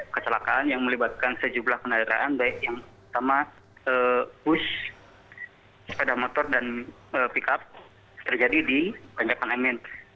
kecelakaan yang melibatkan sejumlah kendaraan baik yang pertama bus sepeda motor dan pickup terjadi di tanjakan mn